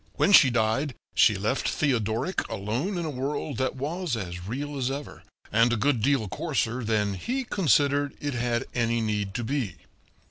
When she died she left Theodoric alone in a world that was as real as ever, and a good deal coarser than he considered it had any need to be.